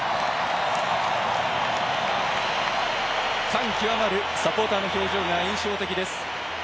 感極まるサポーターの表情が印象的です。